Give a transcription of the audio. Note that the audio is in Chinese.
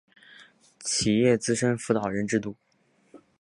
企业资深辅导人制度